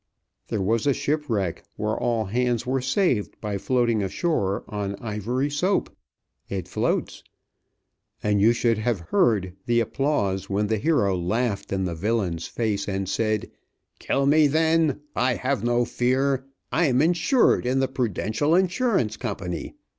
There was a shipwreck, where all hands were saved by floating ashore on Ivory Soap, it floats, and you should have heard the applause when the hero laughed in the villain's face and said, "Kill me, then. I have no fear. I am insured in the Prudential Insurance Company.